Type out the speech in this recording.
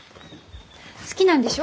好きなんでしょ？